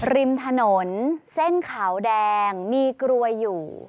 ริมถนนเส้นขาวแดงมีกลวยอยู่